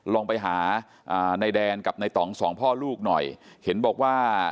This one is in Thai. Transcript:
ลองไปหานายแดนกับในต่องสองพ่อลูกหน่อยเห็นบอกว่า